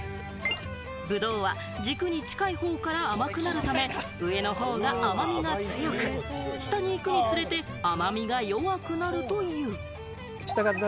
ブドウは軸に近い方から甘くなるため、上の方が甘みが強く、下に行くにつれて、甘みが弱くなるという。